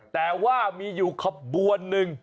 แต่ว่ามีอยู่ขบวนหนึ่ง